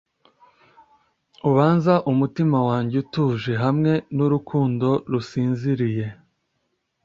ubanza umutima wanjye utuje, hamwe nurukundo rusinziriye